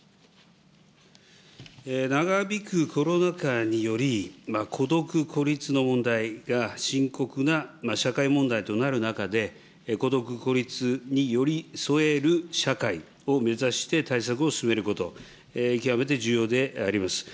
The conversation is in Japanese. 長引くコロナ禍により、孤独・孤立の問題が深刻な社会問題となる中で、孤独・孤立に寄り添える社会を目指して対策を進めること、極めて重要であります。